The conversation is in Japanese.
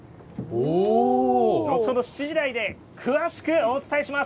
後ほど７時台で詳しくお伝えします。